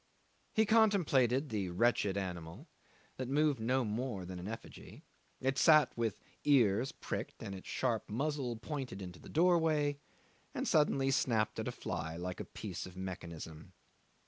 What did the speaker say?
'He contemplated the wretched animal, that moved no more than an effigy: it sat with ears pricked and its sharp muzzle pointed into the doorway, and suddenly snapped at a fly like a piece of mechanism.